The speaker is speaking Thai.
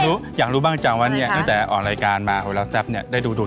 นู้นอย่างใจดูบ้างจังวันนี้แต่ออกรายการมาแล้วแซปเนี่ยได้ดูตรง